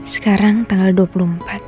sekarang tanggal dua puluh empat